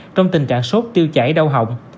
trong tình trạng sốt tiêu chảy đau hỏng